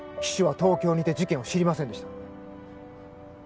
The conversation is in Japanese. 岸は東京にいて事件を知りませんでした